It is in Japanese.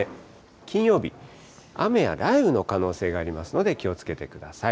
金曜日、雨や雷雨の可能性がありますので気をつけてください。